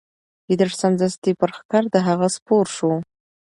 ګیدړ سمدستي پر ښکر د هغه سپور سو